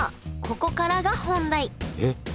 ここからが本題えっ？